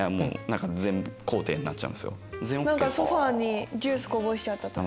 ソファにジュースこぼしちゃったとか。